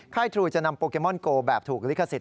ค่ายถูกจะนำโปเกมอนโกแบบถูกลิขสิทธิ์